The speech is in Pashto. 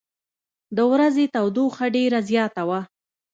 د ورځې تودوخه ډېره زیاته وه.